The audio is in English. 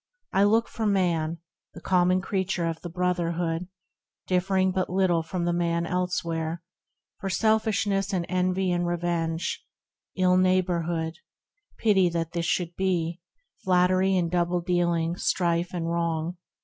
I look for Man, The common creature of the brotherhood, Differing but little from the Man elsewhere, For selfishness and envy and revenge, 111 neighbourhood — pity that this should be — Flattery and double dealing, strife and wrong.